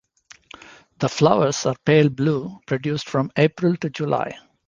The flowers are pale blue, produced from April to July.